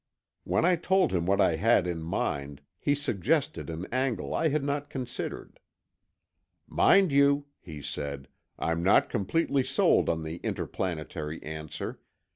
When I told him what I had in mind, he suggested an angle I had not considered. "Mind you," he said, "I'm not completely sold on the interplanetary answer.